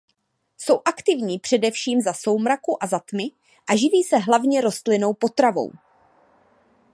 Jsou aktivní především za soumraku a za tmy a živí se hlavně rostlinnou potravou.